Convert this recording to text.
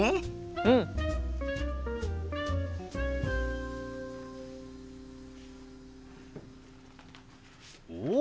うん！おっ！